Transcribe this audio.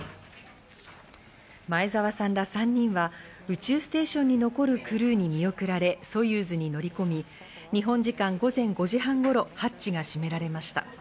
前澤さんら３人は宇宙ステーションに残るクルーに見送られ、ソユーズに乗り込み、日本時間午前５時半頃、ハッチが閉められました。